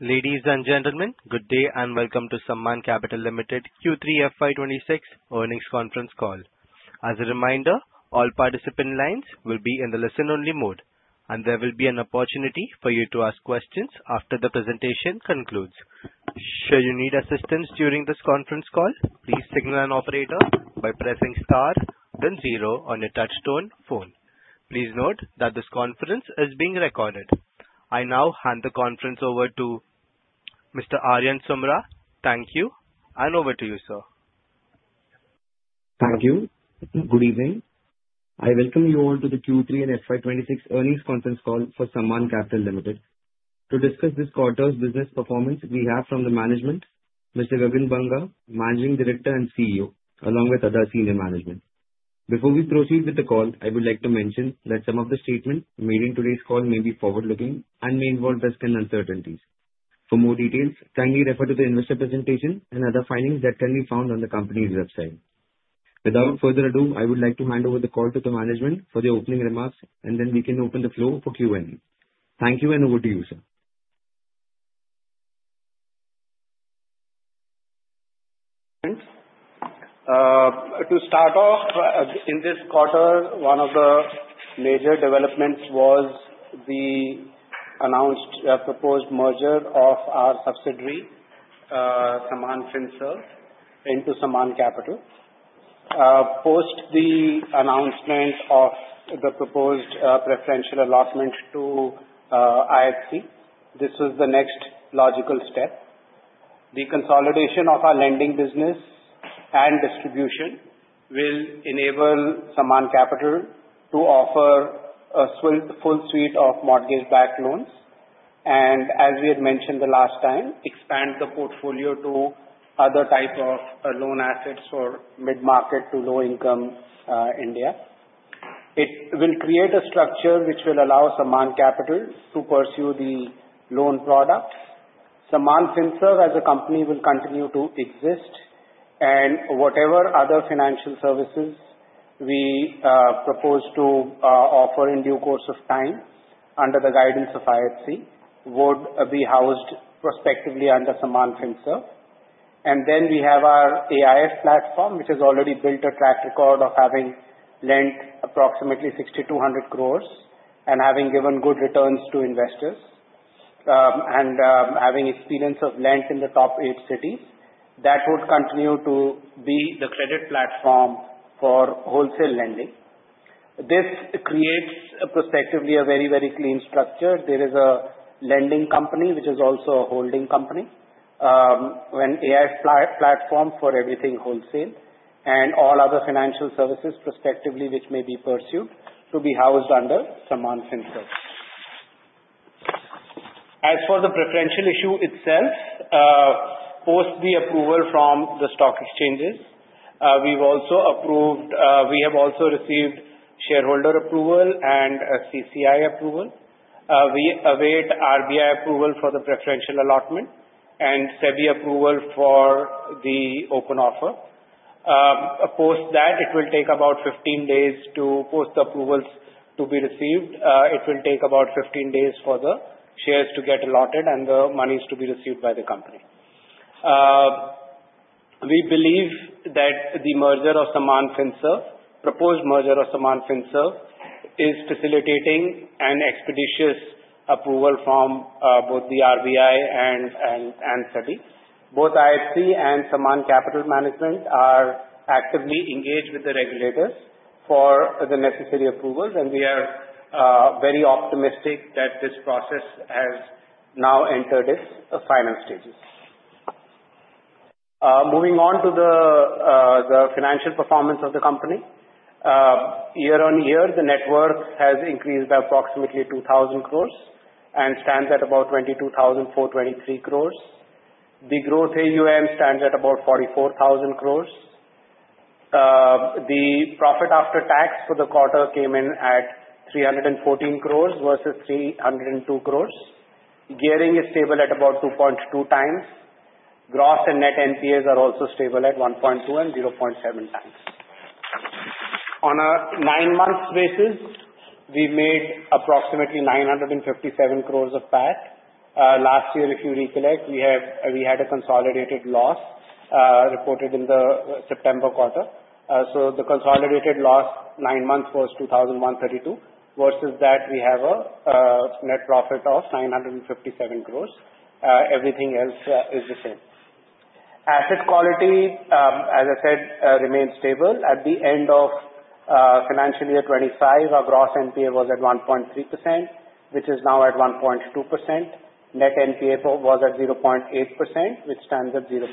Ladies and gentlemen, good day, and welcome to Sammaan Capital Limited Q3 FY 2026 Earnings Conference Call. As a reminder, all participant lines will be in the listen-only mode, and there will be an opportunity for you to ask questions after the presentation concludes. Should you need assistance during this conference call, please signal an operator by pressing star then zero on your touch-tone phone. Please note that this conference is being recorded. I now hand the conference over to Mr. Aryan Sumra. Thank you, and over to you, sir. Thank you. Good evening. I welcome you all to the Q3 and FY 2026 Earnings Conference Call for Sammaan Capital Limited. To discuss this quarter's business performance, we have from the management, Mr. Gagan Banga, Managing Director and CEO, along with other senior management. Before we proceed with the call, I would like to mention that some of the statements made in today's call may be forward-looking and may involve risks and uncertainties. For more details, kindly refer to the investor presentation and other findings that can be found on the company's website. Without further ado, I would like to hand over the call to the management for the opening remarks, and then we can open the floor for Q&A. Thank you, and over to you, sir. To start off, in this quarter, one of the major developments was the announced proposed merger of our subsidiary, Sammaan Finserve into Sammaan Capital. Post the announcement of the proposed preferential allotment to IFC, this was the next logical step. The consolidation of our lending business and distribution will enable Sammaan Capital to offer a full suite of mortgage-backed loans, and as we had mentioned the last time, expand the portfolio to other type of loan assets for mid-market to low-income India. It will create a structure which will allow Sammaan Capital to pursue the loan products. Sammaan Finserve as a company will continue to exist and whatever other financial services we propose to offer in due course of time, under the guidance of IFC, would be housed prospectively under Sammaan Finserve. We have our AIF platform, which has already built a track record of having lent approximately 6,200 crores and having given good returns to investors, and having experience of lending in the top eight cities. That would continue to be the credit platform for wholesale lending. This creates prospectively a very, very clean structure. There is a lending company which is also a holding company, AIF platform for everything wholesale and all other financial services prospectively, which may be pursued to be housed under Sammaan Finserve. As for the preferential issue itself, post the approval from the stock exchanges, we have also received shareholder approval and a CCI approval. We await RBI approval for the preferential allotment and SEBI approval for the open offer. Post that, it will take about 15 days to post the approvals to be received. It will take about 15 days for the shares to get allotted and the monies to be received by the company. We believe that the merger of Sammaan Finserve, proposed merger of Sammaan Finserve, is facilitating an expeditious approval from both the RBI and, and, and SEBI. Both IFC and Sammaan Capital Limited are actively engaged with the regulators for the necessary approvals, and we are very optimistic that this process has now entered its final stages. Moving on to the financial performance of the company. Year-on-year, the net worth has increased by approximately 2,000 crores and stands at about 22,423 crores. The gross AUM stands at about 44,000 crores. The profit after tax for the quarter came in at 314 crores versus 302 crores. Gearing is stable at about 2.2 times. Gross and net NPAs are also stable at 1.2 and 0.7 times. On a nine-month basis, we made approximately 957 crores of PAT. Last year, if you recollect, we had a consolidated loss reported in the September quarter. So the consolidated loss nine months was 2,132 crores. Versus that, we have a net profit of 957 crores. Everything else is the same. Asset quality, as I said, remains stable. At the end of financial year 2025, our gross NPA was at 1.3%, which is now at 1.2%. Net NPA was at 0.8%, which stands at 0.7%.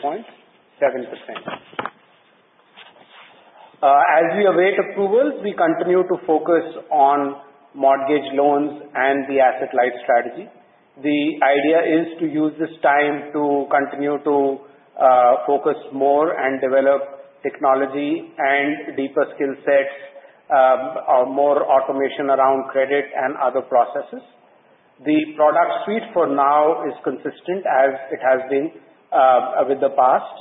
As we await approvals, we continue to focus on mortgage loans and the asset-light strategy. The idea is to use this time to continue to focus more and develop technology and deeper skill sets, more automation around credit and other processes. The product suite for now is consistent as it has been with the past.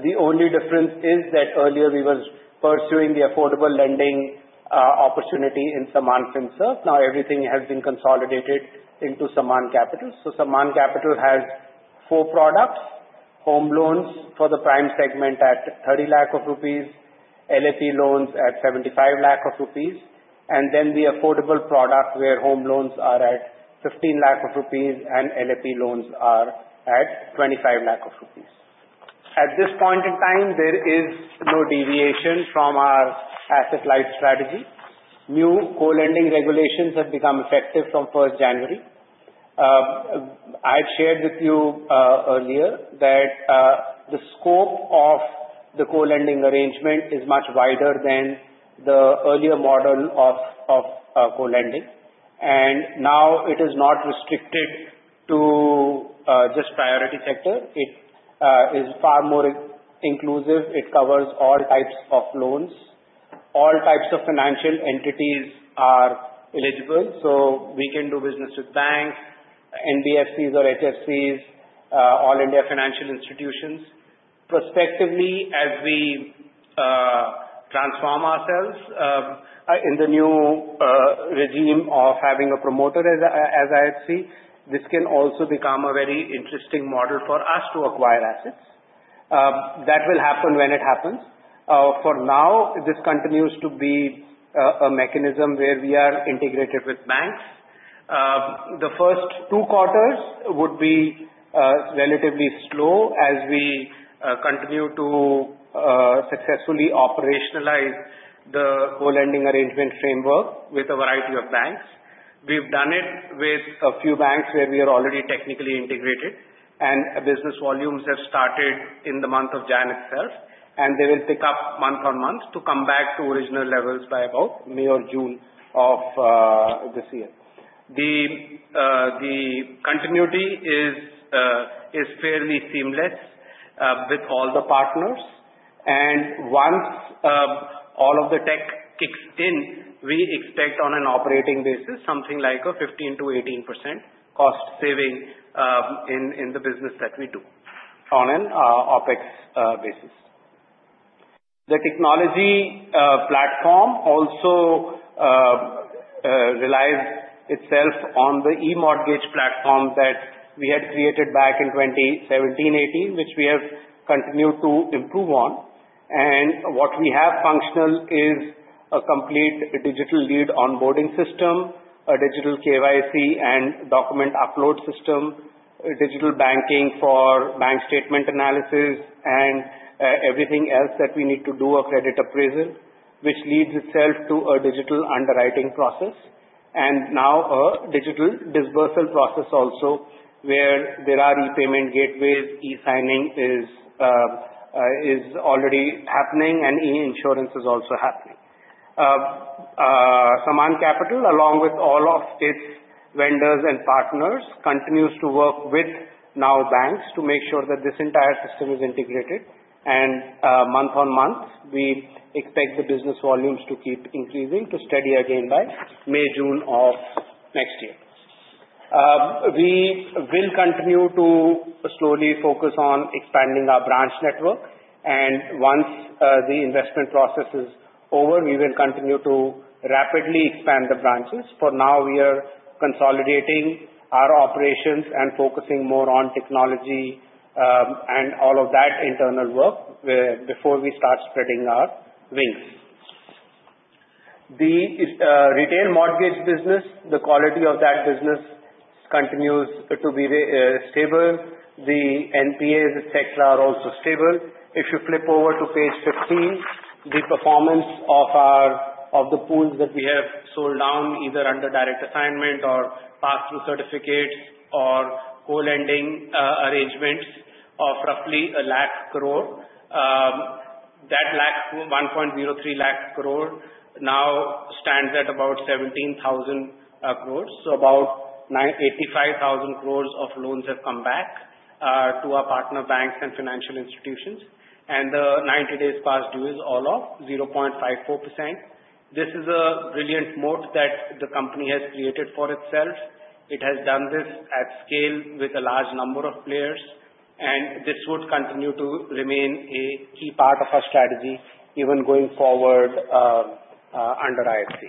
The only difference is that earlier we were pursuing the affordable lending opportunity in Sammaan Finserve. Now everything has been consolidated into Sammaan Capital. So Sammaan Capital has four products: home loans for the prime segment at 30 lakh rupees, LAP loans at 75 lakh rupees, and then the affordable product, where home loans are at 15 lakh rupees and LAP loans are at 25 lakh rupees. At this point in time, there is no deviation from our asset-light strategy. New co-lending regulations have become effective from January 1. I've shared with you earlier that the scope of the co-lending arrangement is much wider than the earlier model of co-lending. And now it is not restricted to just priority sector. It is far more inclusive. It covers all types of loans. All types of financial entities are eligible, so we can do business with banks, NBFCs or HFCs, all Indian financial institutions. Prospectively, as we transform ourselves in the new regime of having a promoter as IFC, this can also become a very interesting model for us to acquire assets. That will happen when it happens. For now, this continues to be a mechanism where we are integrated with banks. The first two quarters would be relatively slow as we continue to successfully operationalize the co-lending arrangement framework with a variety of banks. We've done it with a few banks where we are already technically integrated, and business volumes have started in the month of January itself, and they will pick up month-on-month to come back to original levels by about May or June of this year. The continuity is fairly seamless with all the partners. And once all of the tech kicks in, we expect on an operating basis, something like a 15%-18% cost saving, in the business that we do on an OpEx basis. The technology platform also relies itself on the e-Mortgage platform that we had created back in 2017, 2018, which we have continued to improve on. And what we have functional is a complete digital lead onboarding system, a digital KYC and document upload system, a digital banking for bank statement analysis and everything else that we need to do a credit appraisal. Which leads itself to a digital underwriting process and now a digital dispersal process also, where there are repayment gateways, e-signing is already happening, and e-insurance is also happening. Sammaan Capital, along with all of its vendors and partners, continues to work with new banks to make sure that this entire system is integrated. And month-on-month, we expect the business volumes to keep increasing to steady again by May, June of next year. We will continue to slowly focus on expanding our branch network, and once the investment process is over, we will continue to rapidly expand the branches. For now, we are consolidating our operations and focusing more on technology, and all of that internal work before we start spreading our wings. The retail mortgage business, the quality of that business continues to be stable. The NPAs as a sector are also stable. If you flip over to page 15, the performance of our, of the pools that we have sold down, either under direct assignment or pass-through certificates or co-lending arrangements of roughly 100,000 crores, that lakh, 1.03 lakh crores, now stands at about 17,000 crores. About 985,000 crores of loans have come back to our partner banks and financial institutions, and the 90 days past due is all of 0.54%. This is a brilliant moat that the company has created for itself. It has done this at scale with a large number of players, and this would continue to remain a key part of our strategy, even going forward, under IFC.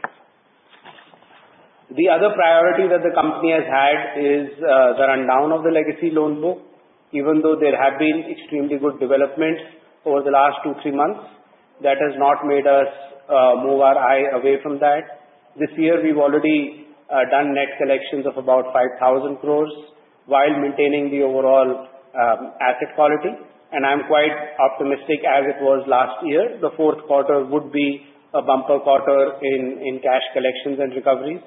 The other priority that the company has had is the rundown of the legacy loan book, even though there have been extremely good developments over the last two-three months, that has not made us move our eye away from that. This year we've already done net collections of about 5,000 crores while maintaining the overall asset quality, and I'm quite optimistic, as it was last year, the fourth quarter would be a bumper quarter in cash collections and recoveries.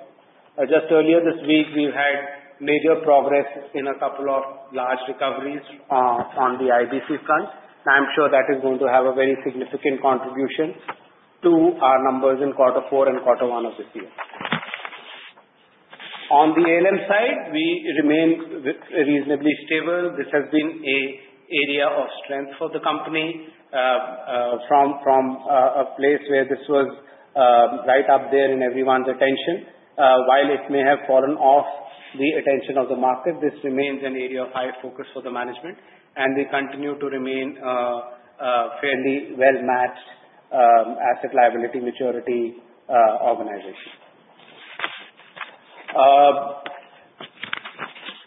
Just earlier this week, we've had major progress in a couple of large recoveries on the IBC front. I'm sure that is going to have a very significant contribution to our numbers in quarter four and quarter one of this year. On the ALM side, we remain reasonably stable. This has been an area of strength for the company from a place where this was right up there in everyone's attention. While it may have fallen off the attention of the market, this remains an area of high focus for the management, and we continue to remain a fairly well-matched asset liability maturity organization.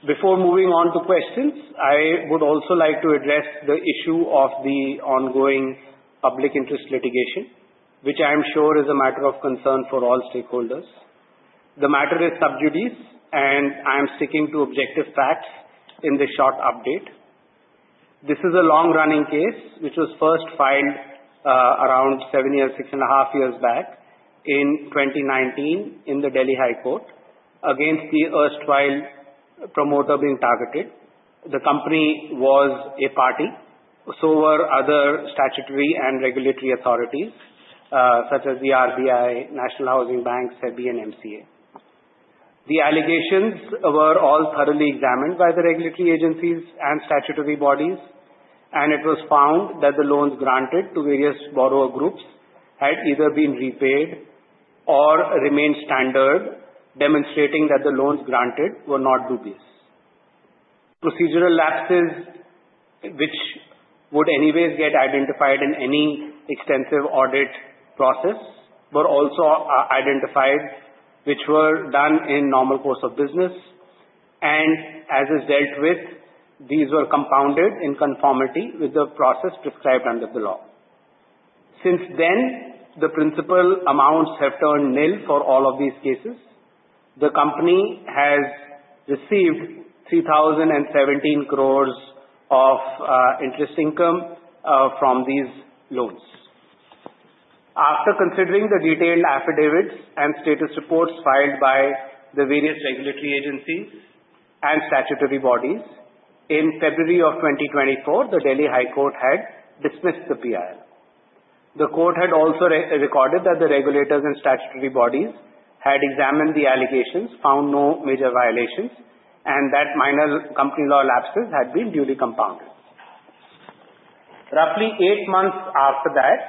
Before moving on to questions, I would also like to address the issue of the ongoing public interest litigation, which I am sure is a matter of concern for all stakeholders. The matter is sub judice, and I am sticking to objective facts in this short update. This is a long-running case, which was first filed around seven years, 6.5 years back in 2019, in the Delhi High Court, against the erstwhile promoter being targeted. The company was a party, so were other statutory and regulatory authorities, such as the RBI, National Housing Bank, SEBI and MCA. The allegations were all thoroughly examined by the regulatory agencies and statutory bodies, and it was found that the loans granted to various borrower groups had either been repaid or remained standard, demonstrating that the loans granted were not dubious. Procedural lapses, which would anyways get identified in any extensive audit process, were also identified, which were done in normal course of business and as is dealt with, these were compounded in conformity with the process prescribed under the law. Since then, the principal amounts have turned nil for all of these cases. The company has received 3,017 croress of interest income from these loans. After considering the detailed affidavits and status reports filed by the various regulatory agencies and statutory bodies, in February of 2024, the Delhi High Court had dismissed the PIL. The court had also re-recorded that the regulators and statutory bodies had examined the allegations, found no major violations, and that minor company law lapses had been duly compounded. Roughly eight months after that,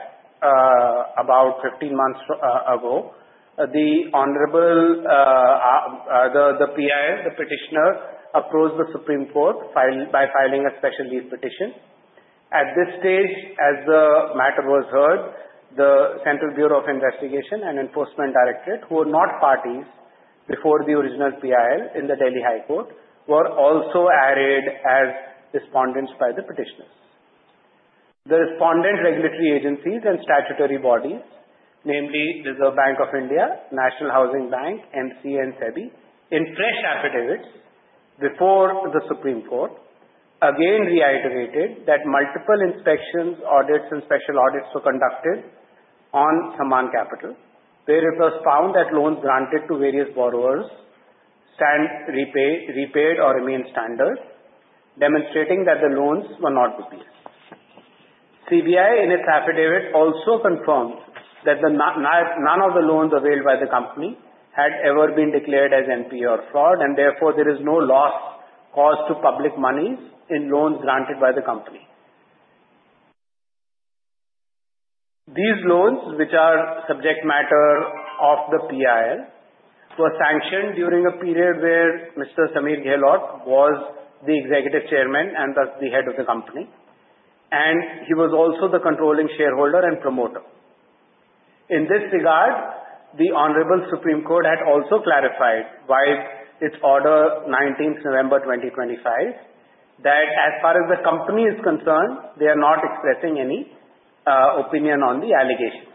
about 15 months ago, the honorable, the PIL petitioner approached the Supreme Court by filing a special leave petition. At this stage, as the matter was heard, the Central Bureau of Investigation and Enforcement Directorate, who were not parties before the original PIL in the Delhi High Court, were also added as respondents by the petitioners. The respondent regulatory agencies and statutory bodies, namely the Reserve Bank of India, National Housing Bank, MCA and SEBI, in fresh affidavits before the Supreme Court, again reiterated that multiple inspections, audits and special audits were conducted on Sammaan Capital, where it was found that loans granted to various borrowers stand repaid or remain standard, demonstrating that the loans were not dubious. CBI, in its affidavit, also confirmed that none of the loans availed by the company had ever been declared as NPA or fraud, and therefore, there is no loss caused to public monies in loans granted by the company. These loans, which are subject matter of the PIL, were sanctioned during a period where Mr. Sameer Gehlaut was the Executive Chairman and thus the head of the company, and he was also the controlling shareholder and promoter. In this regard, the Honorable Supreme Court had also clarified via its order, nineteenth November 2025, that as far as the company is concerned, they are not expressing any opinion on the allegations.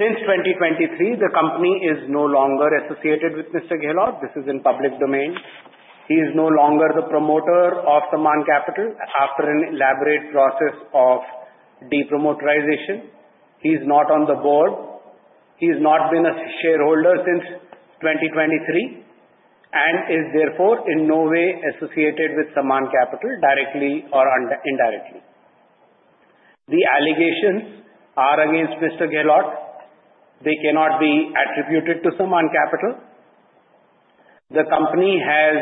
Since 2023, the company is no longer associated with Mr. Gehlaut. This is in public domain. He is no longer the promoter of Sammaan Capital after an elaborate process of depromoterization. He's not on the board. He's not been a shareholder since 2023, and is therefore in no way associated with Sammaan Capital, directly or indirectly. The allegations are against Mr. Gehlaut. They cannot be attributed to Sammaan Capital. The company has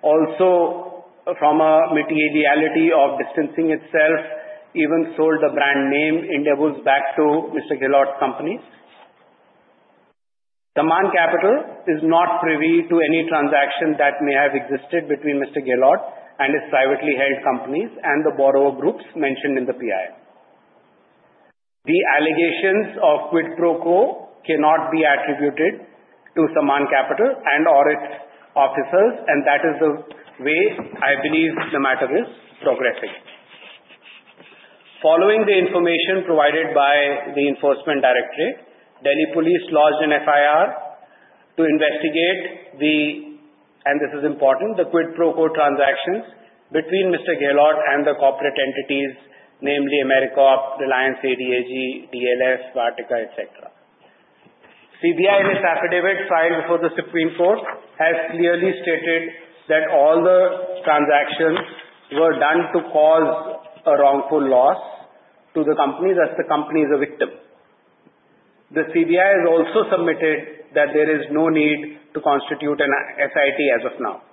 also, from a materiality of distancing itself, even sold the brand name, Indiabulls, back to Mr. Gehlaut's company. Sammaan Capital is not privy to any transaction that may have existed between Mr. Gehlaut and his privately held companies and the borrower groups mentioned in the PIL. The allegations of quid pro quo cannot be attributed to Sammaan Capital and/or its officers, and that is the way I believe the matter is progressing. Following the information provided by the Enforcement Directorate, Delhi Police lodged an FIR to investigate the, and this is important, the quid pro quo transactions between Mr. Gehlaut and the corporate entities, namely Amicorp, Reliance ADAG, DLF, Vatika, et cetera. CBI, in its affidavit filed before the Supreme Court, has clearly stated that all the transactions were done to cause a wrongful loss to the company, that the company is a victim. The CBI has also submitted that there is no need to constitute an SIT as of now.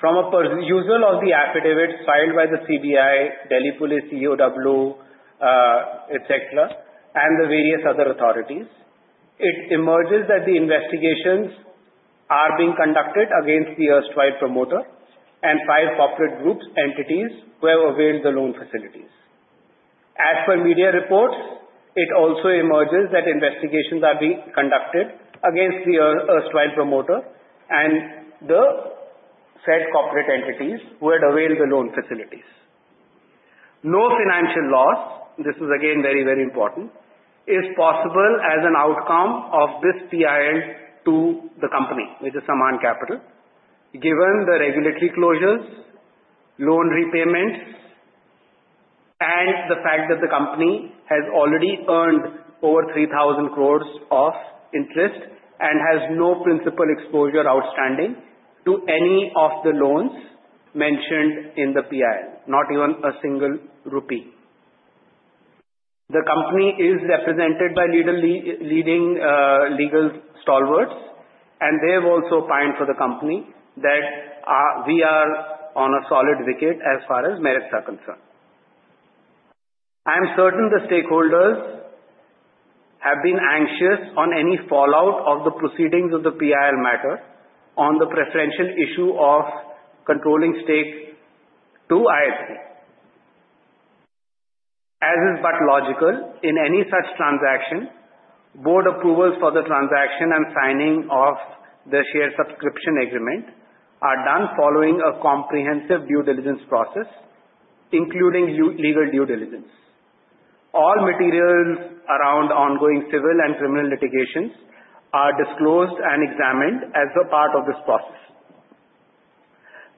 From a perusal of the affidavits filed by the CBI, Delhi Police, EOW, et cetera, and the various other authorities, it emerges that the investigations are being conducted against the erstwhile promoter and five corporate groups, entities who have availed the loan facilities. As per media reports, it also emerges that investigations are being conducted against the erstwhile promoter and the said corporate entities who had availed the loan facilities. No financial loss, this is again very, very important, is possible as an outcome of this PIL to the company, which is Sammaan Capital, given the regulatory closures, loan repayments, and the fact that the company has already earned over 3,000 crores of interest and has no principal exposure outstanding to any of the loans mentioned in the PIL, not even a single rupee. The company is represented by leading legal stalwarts, and they've also pinned for the company that we are on a solid wicket as far as merits are concerned. I am certain the stakeholders have been anxious on any fallout of the proceedings of the PIL matter on the preferential issue of controlling stakes to IFC. As is but logical, in any such transaction, board approvals for the transaction and signing of the share subscription agreement are done following a comprehensive due diligence process, including legal due diligence. All materials around ongoing civil and criminal litigations are disclosed and examined as a part of this process.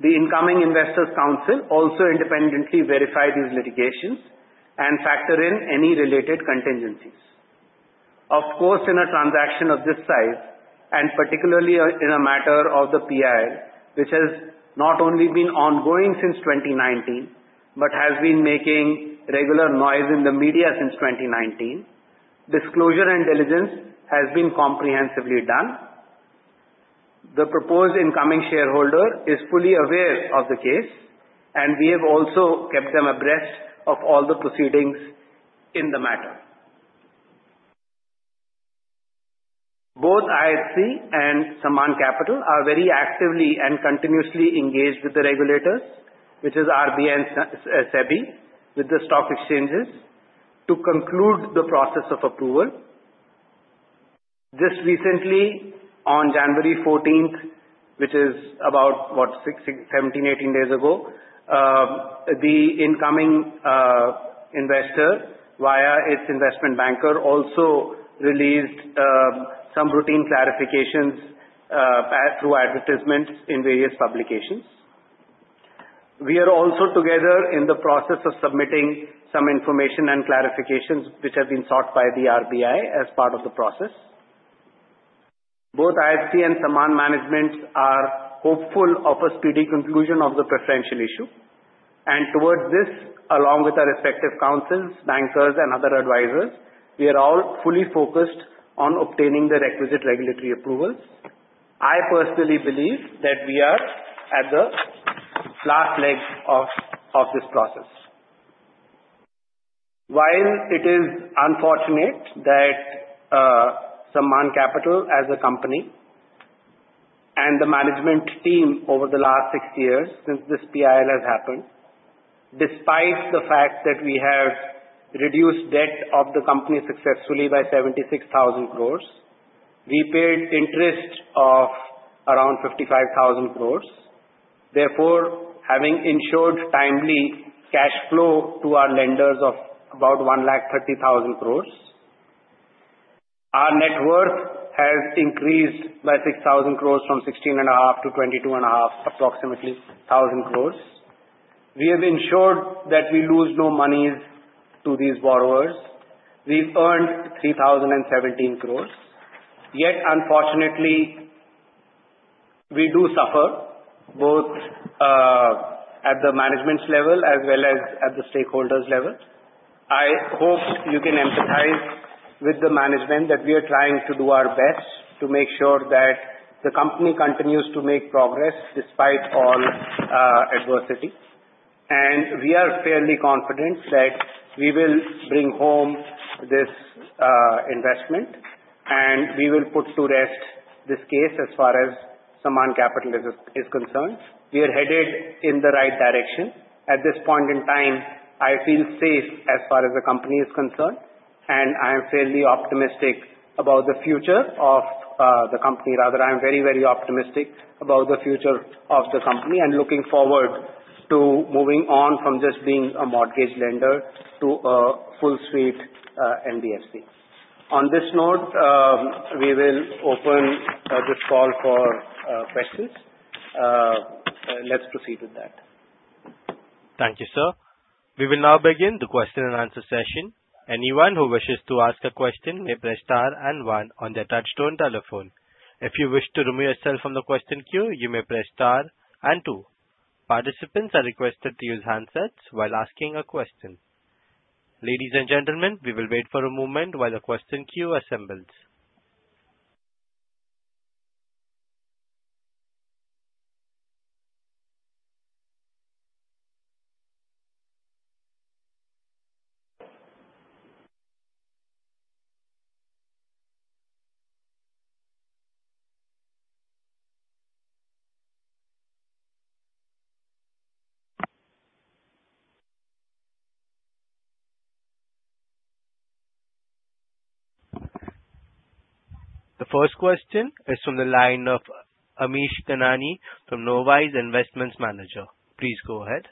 The incoming investors' council also independently verify these litigations and factor in any related contingencies. Of course, in a transaction of this size, and particularly in a matter of the PIL, which has not only been ongoing since 2019, but has been making regular noise in the media since 2019, disclosure and diligence has been comprehensively done. The proposed incoming shareholder is fully aware of the case, and we have also kept them abreast of all the proceedings in the matter. Both IFC and Sammaan Capital are very actively and continuously engaged with the regulators, which is RBI and SEBI, with the stock exchanges, to conclude the process of approval. Just recently, on January fourteenth, which is about, what? six, 17, 18 days ago, the incoming investor, via its investment banker, also released some routine clarifications through advertisements in various publications. We are also together in the process of submitting some information and clarifications, which have been sought by the RBI as part of the process. Both IFC and Sammaan management are hopeful of a speedy conclusion of the preferential issue, and towards this, along with our respective councils, bankers and other advisors, we are all fully focused on obtaining the requisite regulatory approvals. I personally believe that we are at the last leg of this process. While it is unfortunate that Sammaan Capital as a company and the management team over the last six years since this PIL has happened, despite the fact that we have reduced debt of the company successfully by 76,000 crores, we paid interest of around 55,000 crores. Therefore, having ensured timely cash flow to our lenders of about 130,000 crores, our net worth has increased by 6,000 crores from 16,500 crores to INR 22,500 crores approximately. We have ensured that we lose no monies to these borrowers. We've earned 3,017 crores, yet unfortunately, we do suffer both, at the management level as well as at the stakeholders level. I hope you can empathize with the management that we are trying to do our best to make sure that the company continues to make progress despite all, adversity. We are fairly confident that we will bring home this, investment, and we will put to rest this case as far as Sammaan Capital is, is concerned. We are headed in the right direction. At this point in time, I feel safe as far as the company is concerned, and I am fairly optimistic about the future of the company. Rather, I am very, very optimistic about the future of the company, and looking forward to moving on from just being a mortgage lender to a full suite NBFC. On this note, we will open this call for questions. Let's proceed with that. Thank you, sir. We will now begin the question and answer session. Anyone who wishes to ask a question may press star and one on their touchtone telephone. If you wish to remove yourself from the question queue, you may press star and two. Participants are requested to use handsets while asking a question. Ladies and gentlemen, we will wait for a moment while the question queue assembles. The first question is from the line of Amish Kanani from Knowise Investments Manager. Please go ahead.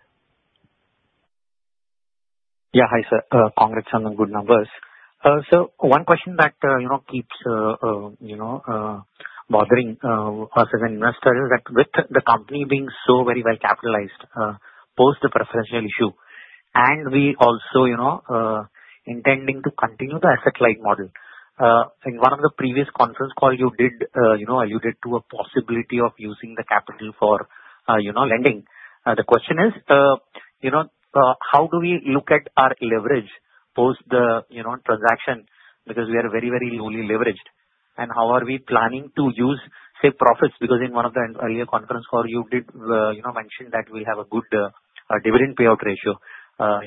Yeah. Hi, sir. Congrats on the good numbers. So one question that, you know, keeps, you know, bothering us as an investor is that with the company being so very well capitalized, post the preferential issue, and we also, you know, intending to continue the asset-light model. In one of the previous conference call you did, you know, allude to a possibility of using the capital for, you know, lending. The question is, you know, how do we look at our leverage post the, you know, transaction? Because we are very, very lowly leveraged. And how are we planning to use, say, profits? Because in one of the earlier conference call, you did, you know, mention that we have a good, dividend payout ratio,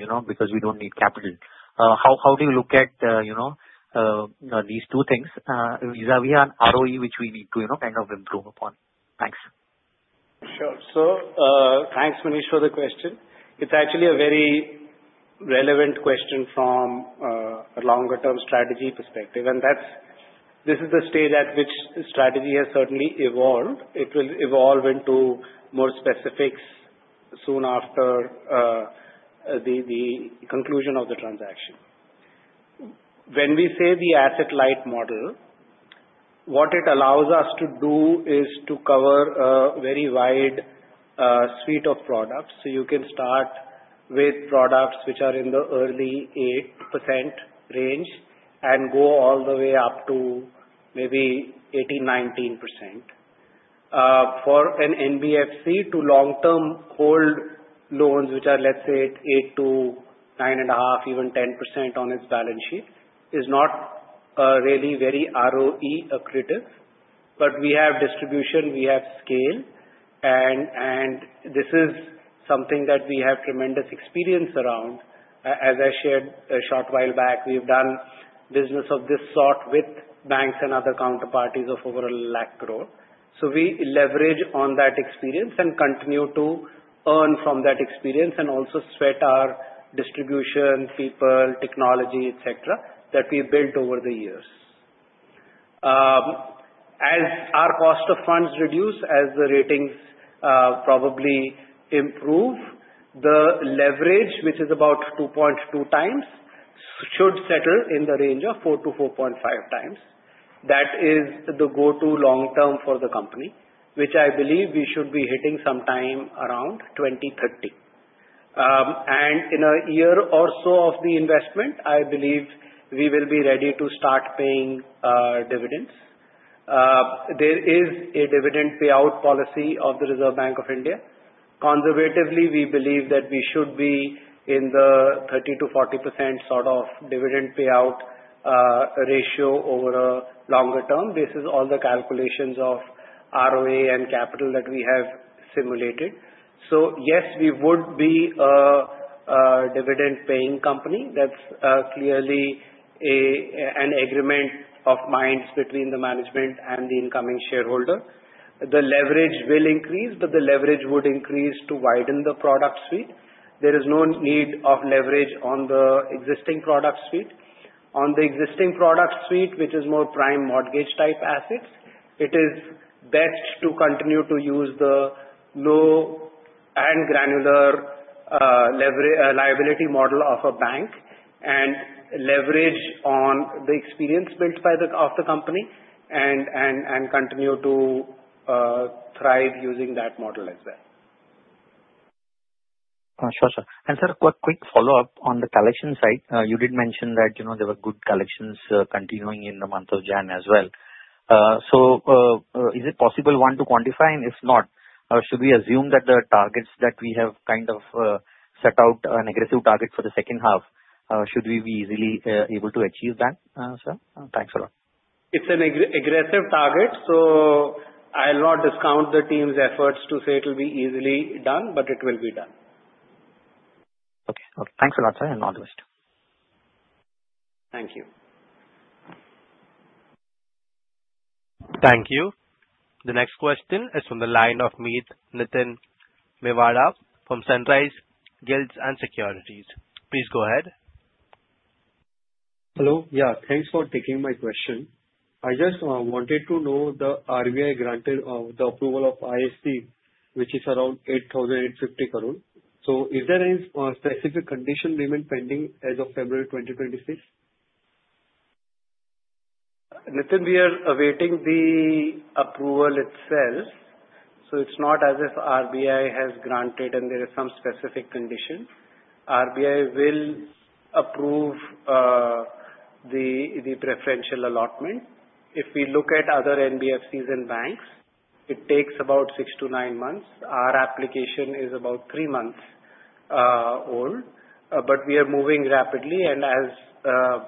you know, because we don't need capital. How do you look at, you know, these two things vis-à-vis our ROE, which we need to, you know, kind of improve upon? Thanks. Sure. So, thanks, Manish, for the question. It's actually a very relevant question from a longer term strategy perspective, and that's this is the stage at which the strategy has certainly evolved. It will evolve into more specifics soon after the conclusion of the transaction. When we say the asset-light model, what it allows us to do is to cover a very wide suite of products. So you can start with products which are in the early 8% range and go all the way up to maybe 18%-19%. For an NBFC to long-term hold loans, which are, let's say, 8%-9.5%, even 10% on its balance sheet, is not really very ROE accretive. But we have distribution, we have scale, and this is something that we have tremendous experience around. As I shared a short while back, we've done business of this sort with banks and other counterparties of over 100,000 crores. So we leverage on that experience and continue to earn from that experience, and also sweat our distribution, people, technology, et cetera, that we've built over the years. As our cost of funds reduce, as the ratings probably improve, the leverage, which is about 2.2 times, should settle in the range of 4-4.5 times. That is the go-to long term for the company, which I believe we should be hitting sometime around 2030. In a year or so of the investment, I believe we will be ready to start paying dividends. There is a dividend payout policy of the Reserve Bank of India. Conservatively, we believe that we should be in the 30%-40% sort of dividend payout ratio over a longer term. This is all the calculations of ROA and capital that we have simulated. So yes, we would be a dividend-paying company. That's clearly an agreement of minds between the management and the incoming shareholder. The leverage will increase, but the leverage would increase to widen the product suite. There is no need of leverage on the existing product suite. On the existing product suite, which is more prime mortgage-type assets, it is best to continue to use the low and granular liability model of a bank and leverage on the experience built by the company and continue to thrive using that model as well. Sure, sir. Sir, quick, quick follow-up on the collection side. You did mention that, you know, there were good collections continuing in the month of January as well. So, is it possible, one, to quantify? And if not, should we assume that the targets that we have kind of set out an aggressive target for the second half, should we be easily able to achieve that, sir? Thanks a lot. It's an aggressive target, so I'll not discount the team's efforts to say it'll be easily done, but it will be done. Okay. Thanks a lot, sir, and all the best. Thank you. Thank you. The next question is from the line of Meet Mewada from Sunidhi Securities. Please go ahead. Hello. Yeah, thanks for taking my question. I just wanted to know the RBI granted the approval of IFC, which is around 8,050 crores. So is there any specific condition remaining pending as of February 2026? Niten, we are awaiting the approval itself, so it's not as if RBI has granted and there is some specific condition. RBI will approve the preferential allotment. If we look at other NBFCs and banks, it takes about six-nine months. Our application is about three months old, but we are moving rapidly. And as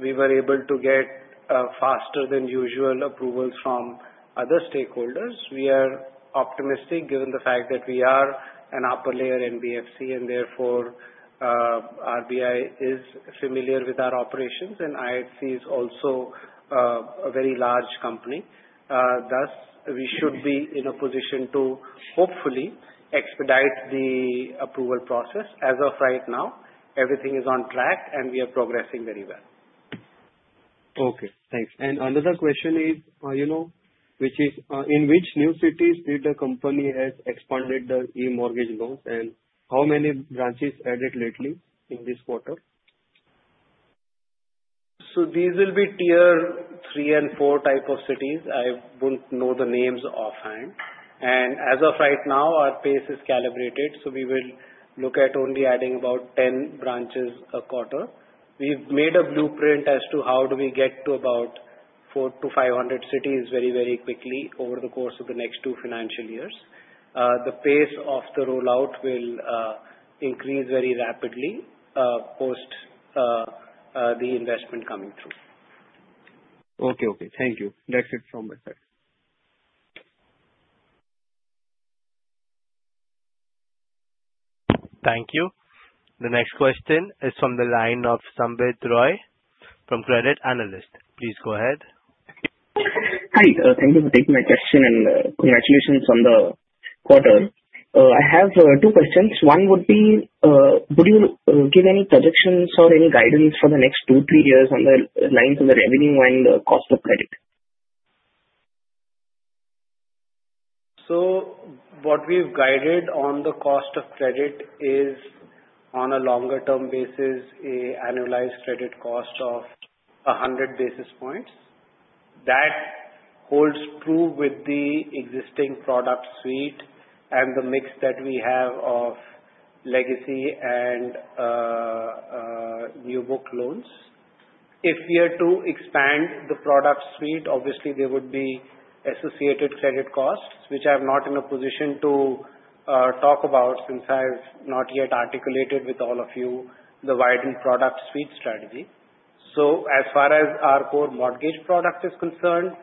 we were able to get faster than usual approvals from other stakeholders, we are optimistic given the fact that we are an upper layer NBFC and therefore, RBI is familiar with our operations and IFC is also a very large company. Thus, we should be in a position to hopefully expedite the approval process. As of right now, everything is on track, and we are progressing very well. Okay, thanks. And another question is, you know, which is, in which new cities did the company has expanded the e-Mortgage loans, and how many branches added lately in this quarter? So these will be tier three and four type of cities. I wouldn't know the names offhand. And as of right now, our pace is calibrated, so we will look at only adding about 10 branches a quarter. We've made a blueprint as to how do we get to about 400-500 cities very, very quickly over the course of the next two financial years. The pace of the rollout will increase very rapidly post the investment coming through. Okay. Okay. Thank you. That's it from my side. Thank you. The next question is from the line of Sambit Roy from Credit Analyst. Please go ahead. Hi. Thank you for taking my question, and congratulations on the quarter. I have two questions. One would be, would you give any projections or any guidance for the next two, three years on the lines of the revenue and cost of credit? So what we've guided on the cost of credit is, on a longer term basis, an annualized credit cost of 100 basis points. That holds true with the existing product suite and the mix that we have of legacy and new book loans. If we are to expand the product suite, obviously there would be associated credit costs, which I'm not in a position to talk about since I've not yet articulated with all of you the widened product suite strategy. So as far as our core mortgage product is concerned,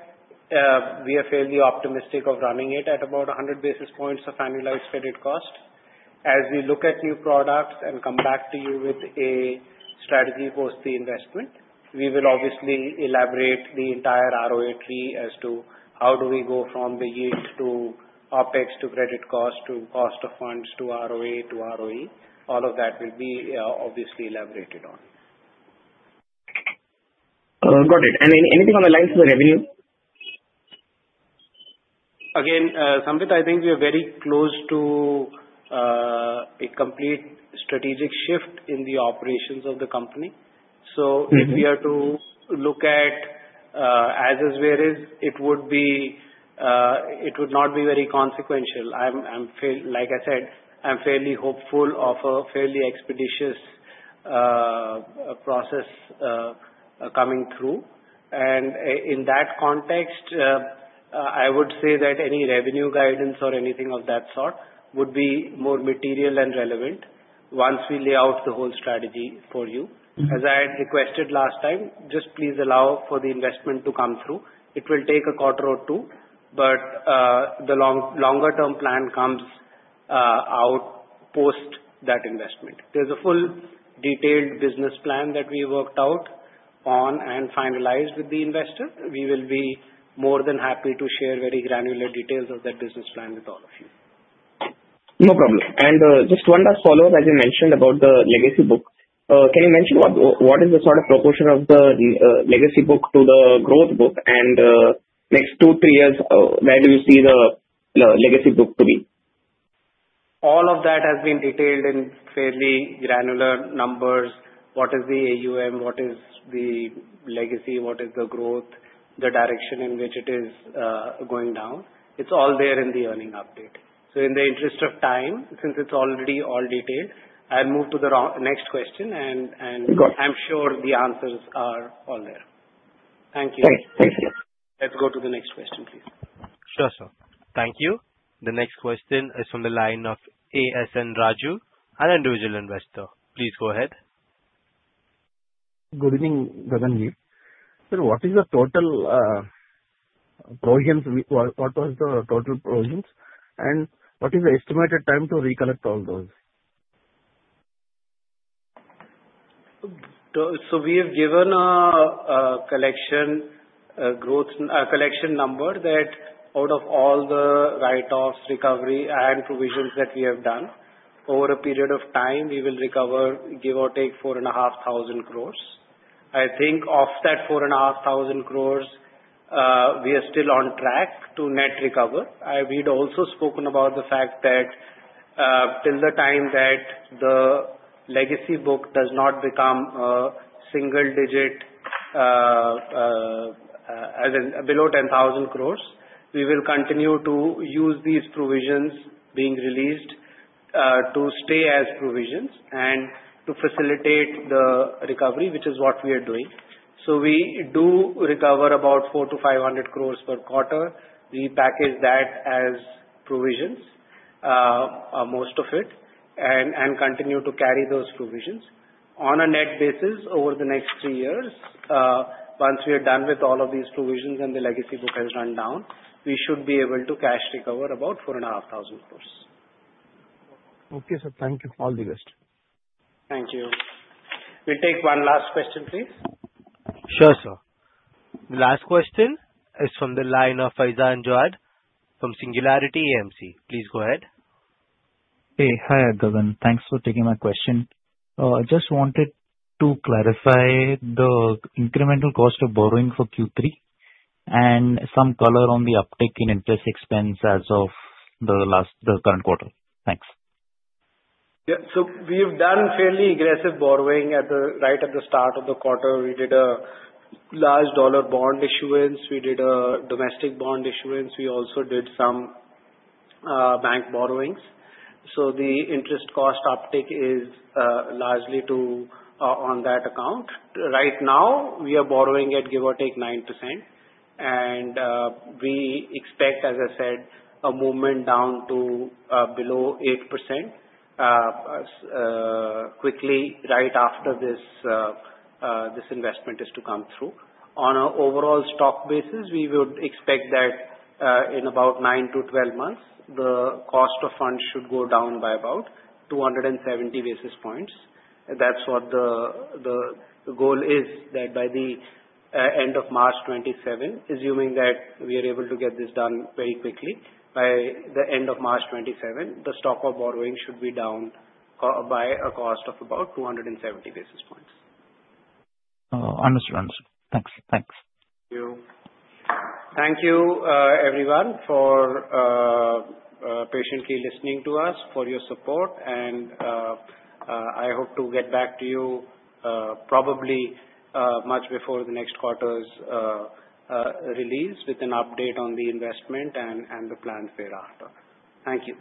we are fairly optimistic of running it at about 100 basis points of annualized credit cost. As we look at new products and come back to you with a strategy post the investment, we will obviously elaborate the entire ROA tree as to how do we go from the yield to OpEx, to credit cost, to cost of funds, to ROA, to ROE. All of that will be obviously elaborated on. Got it. Anything on the lines of the revenue? Again, Sambit, I think we are very close to a complete strategic shift in the operations of the company. Mm-hmm. So if we are to look at as is where is, it would not be very consequential. Like I said, I'm fairly hopeful of a fairly expeditious process coming through. And in that context, I would say that any revenue guidance or anything of that sort would be more material and relevant once we lay out the whole strategy for you. As I had requested last time, just please allow for the investment to come through. It will take a quarter or two, but the longer term plan comes out post that investment. There's a full detailed business plan that we worked out on and finalized with the investor. We will be more than happy to share very granular details of that business plan with all of you. No problem. And just one last follow-up. As you mentioned about the legacy book, can you mention what, what is the sort of proportion of the legacy book to the growth book? And next two, three years, where do you see the, the legacy book to be? All of that has been detailed in fairly granular numbers. What is the AUM? What is the legacy? What is the growth, the direction in which it is going down? It's all there in the earnings update. In the interest of time, since it's already all detailed, I'll move to the next round, question. Got it. I'm sure the answers are all there. Thank you. Thank you. Let's go to the next question, please. Sure, sir. Thank you. The next question is from the line of ASN Raju, an individual investor. Please go ahead. Good evening, Gagan Banga. So what is the total provisions? What was the total provisions, and what is the estimated time to recollect all those? So we have given a collection number that out of all the write-offs, recovery, and provisions that we have done, over a period of time we will recover, give or take, 4,500 crores. I think of that 4,500 crores, we are still on track to net recover. We'd also spoken about the fact that till the time that the legacy book does not become a single digit, as in below 10,000 crores. We will continue to use these provisions being released to stay as provisions and to facilitate the recovery, which is what we are doing. So we do recover about 400-500 crores per quarter. We package that as provisions, most of it, and continue to carry those provisions. On a net basis, over the next three years, once we are done with all of these provisions and the legacy book has run down, we should be able to cash recover about 4,500 crores. Okay, sir. Thank you. All the best. Thank you. We'll take one last question, please. Sure, sir. The last question is from the line of Faizaan Joad from Singularity AMC. Please go ahead. Hey. Hi, Govind. Thanks for taking my question. I just wanted to clarify the incremental cost of borrowing for Q3, and some color on the uptick in interest expense as of the last, the current quarter. Thanks. Yeah. So we've done fairly aggressive borrowing at the right at the start of the quarter. We did a large dollar bond issuance, we did a domestic bond issuance. We also did some bank borrowings. So the interest cost uptick is largely to on that account. Right now, we are borrowing at give or take 9%, and we expect, as I said, a movement down to below 8% quickly right after this investment is to come through. On an overall stock basis, we would expect that in about nine-12 months, the cost of funds should go down by about 270 basis points. That's what the goal is, that by the end of March 2027, assuming that we are able to get this done very quickly, by the end of March 2027, the stock of borrowing should be down by a cost of about 270 basis points. Understood. Understood. Thanks. Thanks. Thank you. Thank you, everyone, for patiently listening to us, for your support, and I hope to get back to you, probably much before the next quarter's release with an update on the investment and the plans thereafter. Thank you.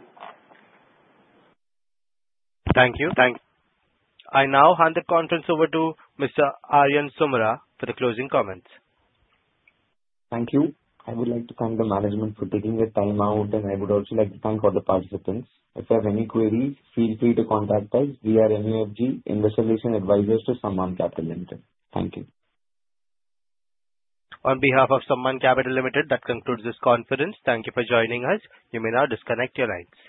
Thank you. Thank you. I now hand the conference over to Mr. Aryan Sumra for the closing comments. Thank you. I would like to thank the management for taking the time out, and I would also like to thank all the participants. If you have any queries, feel free to contact us via MUFG Intime India Private Limited to Sammaan Capital Limited. Thank you. On behalf of Sammaan Capital Limited, that concludes this conference. Thank you for joining us. You may now disconnect your lines.